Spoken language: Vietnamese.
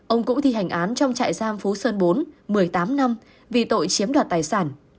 ông cũng thi hành án trong trại giam phú sơn bốn một mươi tám năm vì tội chiếm đoạt tài sản